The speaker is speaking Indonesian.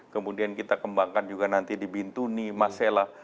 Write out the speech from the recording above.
kemudian kita kembangkan juga nanti di bintuni masela